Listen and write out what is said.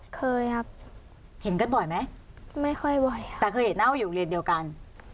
เคยครับเห็นกันบ่อยไหมไม่ค่อยบ่อยค่ะแต่เคยเห็นหน้าว่าอยู่โรงเรียนเดียวกัน